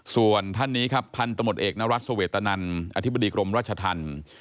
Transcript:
ส่วนท่านนี้ครับพันธมตเอกนรัฐสเวตนันอธิบดีกรมราชธรรม